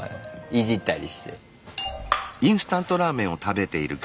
いじったりして。